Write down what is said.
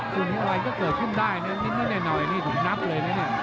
คุณไฟล์ก็เกิดขึ้นได้นิดนึงแน่นอยนี่ถึงนับเลยนะเนี่ย